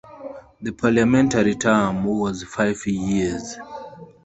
The parliamentary term was five years.